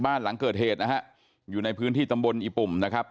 บ้านหลังเกิดเหตุนะฮะอยู่ในพื้นที่ตำบลอีปุ่มนะครับ